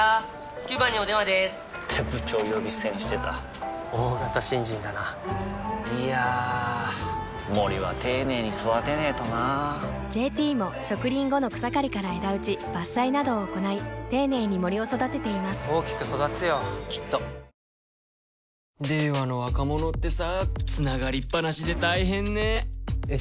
９番にお電話でーす！って部長呼び捨てにしてた大型新人だないやー森は丁寧に育てないとな「ＪＴ」も植林後の草刈りから枝打ち伐採などを行い丁寧に森を育てています大きく育つよきっとトヨタイムズの富川悠太です